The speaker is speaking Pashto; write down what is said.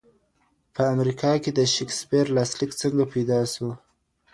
په امریکا کې د شیکسپیر لاسلیک څنګه پیدا سو؟